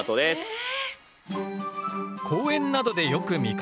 え！